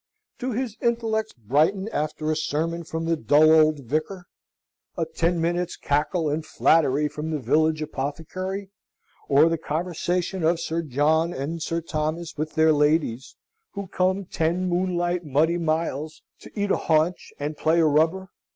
Do his intellects brighten after a sermon from the dull old vicar; a ten minutes' cackle and flattery from the village apothecary; or the conversation of Sir John and Sir Thomas with their ladies, who come ten moonlight muddy miles to eat a haunch, and play a rubber?